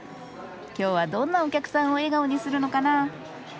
今日はどんなお客さんを笑顔にするのかな？